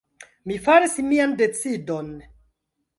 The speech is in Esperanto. Mi faris mian decidon.